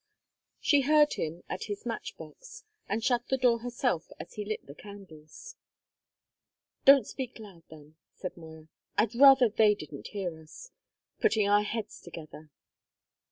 She heard him at his match box, and shut the door herself as he lit the candles. "Don't speak loud, then," said Moya. "I I'd rather they didn't hear us putting our heads together."